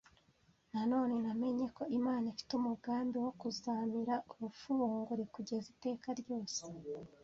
Nanone, namenye ko Imana ifite umugambi wo ‘kuzamira urupfu bunguri kugeza iteka ryose